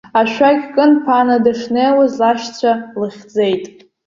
Ашәақь кынԥааны дышнеиуаз, лашьцәа лыхьӡеит.